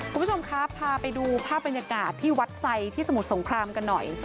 คุณผู้ชมคะพาไปดูภาพบรรยากาศที่วัดไซดที่สมุทรสงครามกันหน่อย